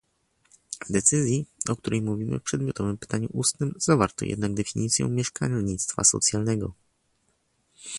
W decyzji, o której mówimy w przedmiotowym pytaniu ustnym, zawarto jednak definicję mieszkalnictwa socjalnego